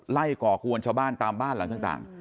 ก่อกวนชาวบ้านตามบ้านหลังต่าง